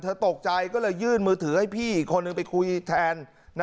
ตกใจก็เลยยื่นมือถือให้พี่อีกคนนึงไปคุยแทน